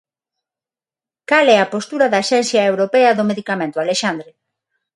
Cal é a postura da Axencia Europea do Medicamento, Alexandre?